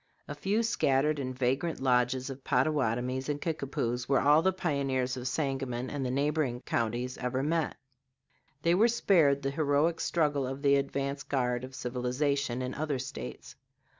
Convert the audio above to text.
A few scattered and vagrant lodges of Pottawatomies and Kickapoos were all the pioneers of Sangamon and the neighboring counties ever met. They were spared the heroic struggle of the advance guard of civilization in other States.